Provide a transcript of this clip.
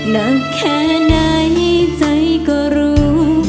นักแค่ใดใจก็รู้